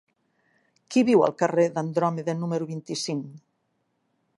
Qui viu al carrer d'Andròmeda número vint-i-cinc?